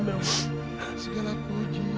bapak juga gak tau bagaimana